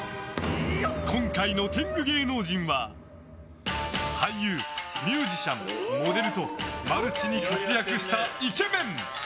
今回の天狗芸能人は俳優、ミュージシャン、モデルとマルチに活躍したイケメン。